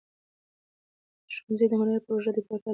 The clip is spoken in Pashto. د ښونځي د هنري پروژو د پیاوړتیا له لارې.